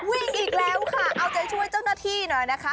อีกแล้วค่ะเอาใจช่วยเจ้าหน้าที่หน่อยนะคะ